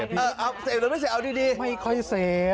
อยากให้มีความผิด